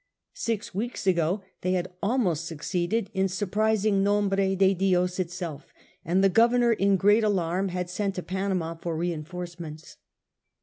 Six weeks ago they had almost succeeded in surprising Nombre de Dios itself, and the Governor in great alarm had sent to Panama for reinforcements.